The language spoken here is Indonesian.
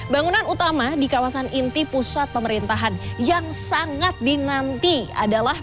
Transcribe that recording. bangunan utama di kawasan inti pusat pemerintahan yang sangat dinanti adalah